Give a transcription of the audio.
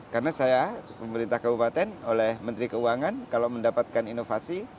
karena saya pemerintah kabupaten oleh menteri keuangan kalau mendapatkan inovasi